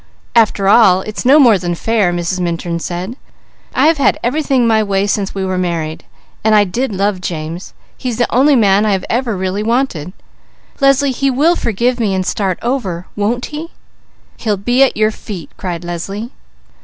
"After all, it's no more than fair," Mrs. Minturn said. "I have had everything my way since we were married. And I did love James. He's the only man I have ever really wanted. Leslie, he will forgive me and start over, won't he?" "He'll be at your feet!" cried Leslie.